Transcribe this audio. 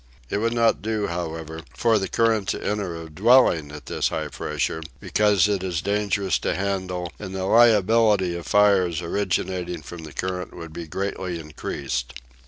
It would not do, however, for the current to enter a dwelling at this high pressure, because it is dangerous to handle, and the liability to fires originating from the current would be greatly increased.